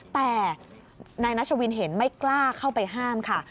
แต่นายนัชวินเห็นไม่กล้าเข้าไปห้ามค่ะ